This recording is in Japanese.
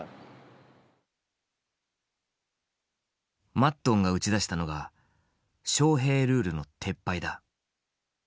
マッドンが打ち出したのがショウヘイルールの撤廃だ。